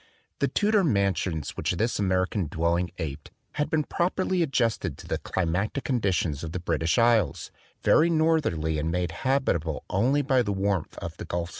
The Tudor mansions which this American dwelling aped had been properly adjusted to the climatic conditions of the British Isles, very northerly and made habi table only by the warmth of the Gulf Stream.